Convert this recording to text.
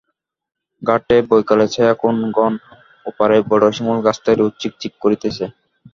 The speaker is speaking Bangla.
ঘাটে বৈকালের ছায়া খুব ঘন, ওপারে বড় শিমুল গাছটায় রোদ চিক চিক করিতেছে।